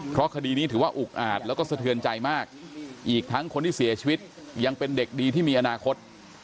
เพราะคดีนี้ถือว่าอุกอาจแล้วก็สะเทือนใจมากอีกทั้งคนที่เสียชีวิตยังเป็นเด็กดีที่มีอนาคต